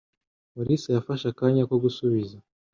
Mulisa yafashe akanya ko gusubiza.